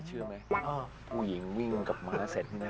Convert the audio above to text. เชื่อไหมผู้หญิงวิ่งกับม้าเสร็จนะ